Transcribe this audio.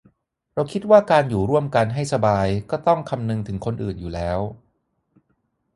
เราคิดว่าการอยู่ร่วมกันให้สบายก็ต้องคำนึงถึงคนอื่นอยู่แล้ว